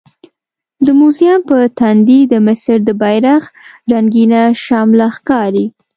د موزیم په تندي د مصر د بیرغ رنګینه شمله ښکاري.